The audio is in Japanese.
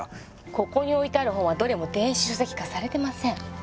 ここに置いてある本はどれも電子書籍化されてません。